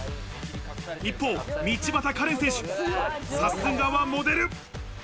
一方、道端カレンさん選手、さすがはモデル！